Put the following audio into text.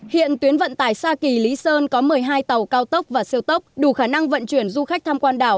hiện tuyến vận tải xa kỳ lý sơn có một mươi hai tàu cao tốc và siêu tốc đủ khả năng vận chuyển du khách tham quan đảo